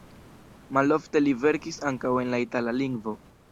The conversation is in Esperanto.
Malofte li verkis ankaŭ en la itala lingvo.